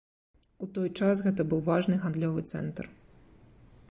У той час гэта быў важны гандлёвы цэнтр.